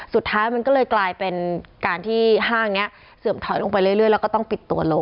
สุดท้ายมันก็เลยกลายเป็นการที่ห้างนี้เสื่อมถอยลงไปเรื่อยแล้วก็ต้องปิดตัวลง